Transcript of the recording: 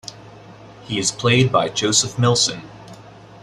He is played by Joseph Millson.